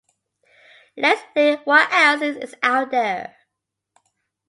Let's think what else is out there.